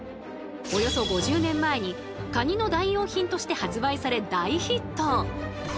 およそ５０年前にカニの代用品として発売され大ヒット！